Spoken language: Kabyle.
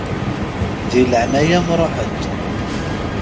Di leɛnaya-m ṛuḥ-d.